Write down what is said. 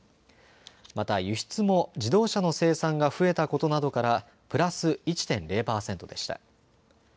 また、輸出も自動車の生産が増えたことなどからプラス１．０％でした。